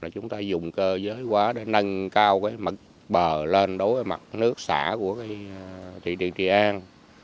chúng ta dùng cơ giới quá để nâng cao mặt bờ lên đối với mặt nước xả của thủy điện trị an